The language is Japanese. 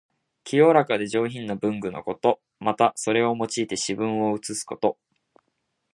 清らかで上品な文具のこと。また、それを用いて詩文を写すこと。